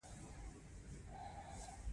موخه د ادارې د مؤثریت د سطحې لوړول دي.